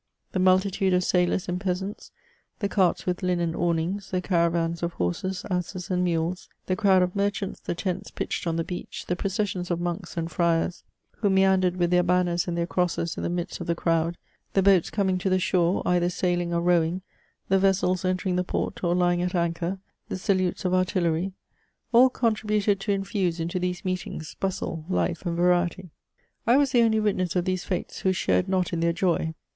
The multitude of sailors and peasants, the carts with linen awnings, the caravans oi horses, asses and mules, the crowd of merchants, the tents pitched on the beach, the processions of monks and friars who CHATEAUBRIAND. 69 meandered with their banners and their crosses in the midst of the crowds the boats coming to the shore, either sailing or rowing ; the vessels entering the port, or lying at anchor ; the salutes of artillery, — all contributed to infuse into these meetings bustle, life, and variety. I was the only witness of these fStes who shared not in their joy.